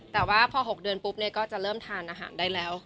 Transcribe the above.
แต่ว่าพอ๖เดือนปุ๊บก็จะเริ่มทานอาหารได้แล้ว